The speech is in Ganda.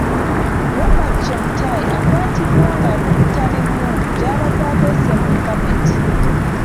Robert Chemutai akwatiddwa ng'akukuta n'emmundu gy'abadde akwese mu kapeti.